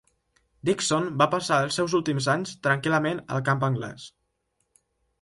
Dickson va passar els seus últims anys tranquil·lament al camp anglès.